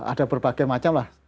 ada berbagai macam